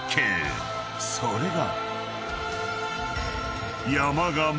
［それが］